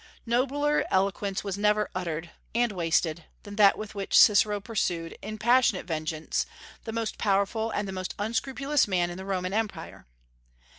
Nobler eloquence was never uttered, and wasted, than that with which Cicero pursued, in passionate vengeance, the most powerful and the most unscrupulous man in the Roman Empire.